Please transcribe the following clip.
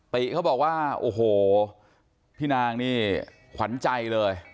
ติเขาบอกว่าโอ้โหพี่นางนี่ขวัญใจเลย